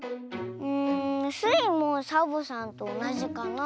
うんスイもサボさんとおなじかな。